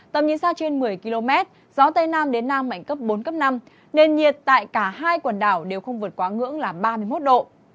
tầm nhìn xa trên một mươi km gió tây nam đến nam mạnh cấp bốn cấp năm nền nhiệt tại cả hai quần đảo đều không vượt quá ngưỡng là ba mươi một độ